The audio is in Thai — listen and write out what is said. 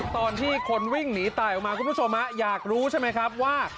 ตอนที่คนวิ่งหนีตายออกมาคุณผู้ชมอยากรู้ใช่ไหมครับว่า